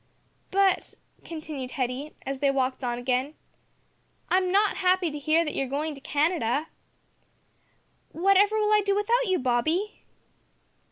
"But," continued Hetty, as they walked on again, "I'm not happy to hear that you are goin' to Canada. What ever will I do without you, Bobby?"